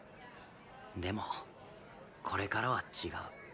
でもこれからは違う。